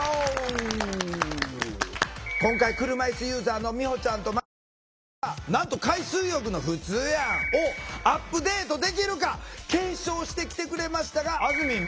今回車いすユーザーのみほちゃんとまりなちゃんがなんと「海水浴のふつうやん」をアップデートできるか検証してきてくれましたがあずみん。